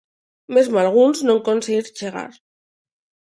Mesmo a algúns non conseguín chegar.